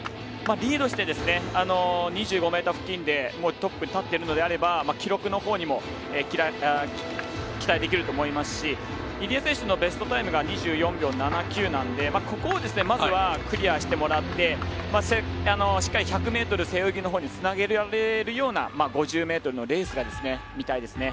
リードして２５ｍ付近でトップに立っているのであるなら記録の方にも期待できると思いますし入江選手のベストタイムが２４秒７９なのでここをまずはクリアしてもらってしっかり１００ｍ背泳ぎの方につなげられるような５０ｍのレースが見たいですね。